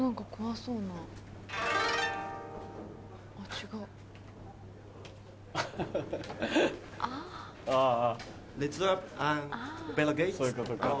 そういうことか。